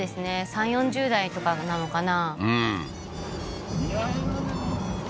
３０４０代とかなのかな？